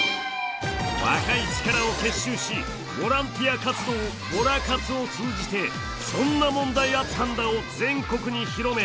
若い力を結集しボランティア活動「ボラ活」を通じて「そんな問題あったんだ！」を全国に広め